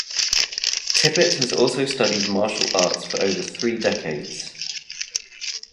Tippett has also studied martial arts for over three decades.